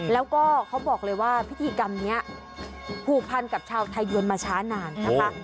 แล้วก็เขาบอกเลยว่าพิธีกรรมนี้ผูกพันกับชาวไทยยวนมาช้านานนะคะ